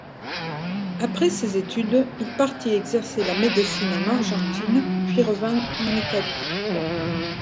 Après ses études, il partit exercer la médecine en Argentine puis revint en Italie.